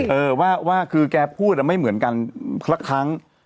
เออว่าคือแกพูดไม่เหมือนกันสักครั้ง